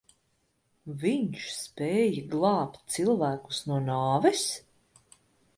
Viņš spēja glābt cilvēkus no nāves?